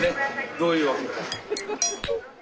どういうわけか。